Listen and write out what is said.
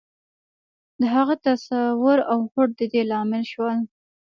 د هغه تصور او هوډ د دې لامل شول.